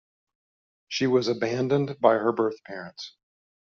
She was abandoned by her birth parents.